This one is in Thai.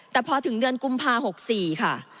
แต่พอถึงเดือนกุมภา๖๔ค่ะ